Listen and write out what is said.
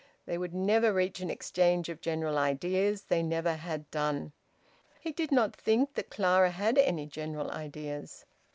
They would never reach an exchange of general ideas; they never had done. He did not think that Clara had any general ideas.